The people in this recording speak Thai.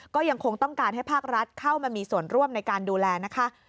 ก็ยังคงต้องการให้ภาครัฐเข้ามามีส่วนร่วมในการดูแลนะคะ